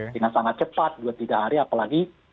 dengan sangat cepat dua tiga hari apalagi